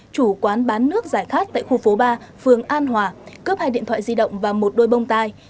chủ quán bán nước giải khát tại khu phố ba phường an hòa cướp hai điện thoại di động và một đôi bông tai